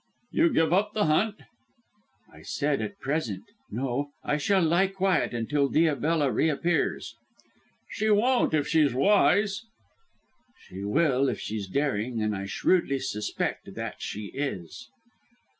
"You give up the hunt?" "I said, at present. No. I shall lie quiet until Diabella reappears." "She won't, if she's wise." "She will if she's daring, and I shrewdly suspect that she is."